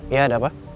ia ada pak